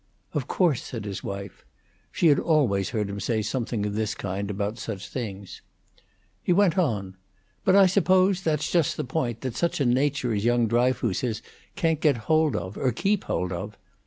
"Of course," said his wife. She had always heard him say something of this kind about such things. He went on: "But I suppose that's just the point that such a nature as young Dryfoos's can't get hold of, or keep hold of.